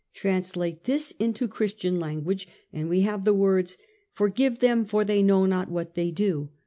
Translate this into Christian language, and we have the words, 'Forgive them, for they know not what they do.